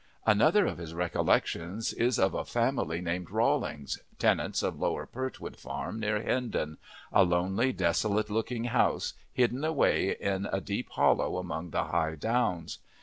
Another of his recollections is of a family named Rawlings, tenants of Lower Pertwood Farm, near Hindon, a lonely, desolate looking house hidden away in a deep hollow among the high downs.